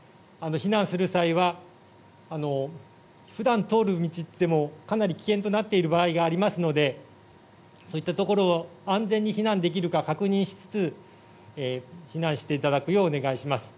避難する際は普段通る道でもかなり危険となっている場合がありますのでそういったところを安全に避難できるか確認しつつ避難していただくようお願いします。